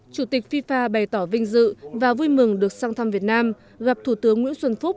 chủ tịch fifa bày tỏ vinh dự và vui mừng được sang thăm việt nam gặp thủ tướng nguyễn xuân phúc